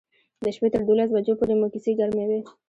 د شپې تر دولس بجو پورې مو کیسې ګرمې وې.